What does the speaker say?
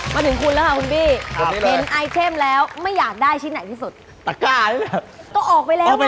มาถึงคุณละค่ะคุณบี้